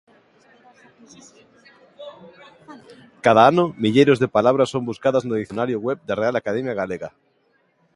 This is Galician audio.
Cada ano milleiros de palabras son buscadas no dicionario web da Real Academia Galega.